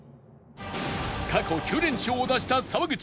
過去９連勝を出した沢口